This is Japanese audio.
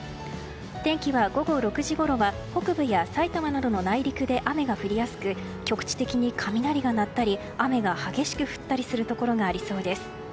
天気は午後６時ごろは北部や埼玉などの内陸で雨が降りやすく局地的に雷が鳴ったり雨が激しく降ったりするところがありそうです。